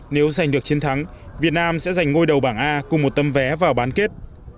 nếu giành được chiến thắng việt nam sẽ giành ngôi đầu bảng a cùng một tấm vé vào bán kết